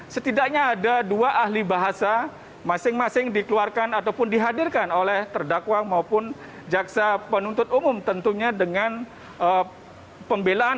setidaknya ada dua ahli bahasa masing masing dikeluarkan ataupun dihadirkan oleh terdakwa maupun jaksa penuntut umum tentunya dengan pembelaan